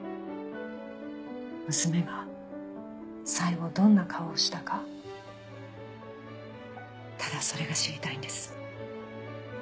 娘が最後どんな顔をしたかただそれが知りたいんです。